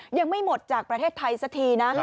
ยังไม่หมดจากประเทศไทยสักทีนะ